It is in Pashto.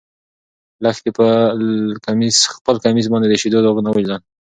لښتې په خپل کمیس باندې د شيدو داغونه ولیدل.